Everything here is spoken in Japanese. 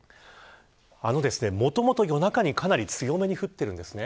もともと夜中にかなり強めに降っています。